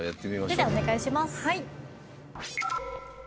それではお願いします。